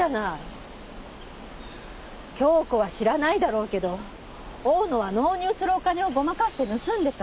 杏子は知らないだろうけど大野は納入するお金をごまかして盗んでたの。